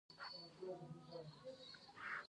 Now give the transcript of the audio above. د کمخونۍ لپاره د څه شي اوبه وڅښم؟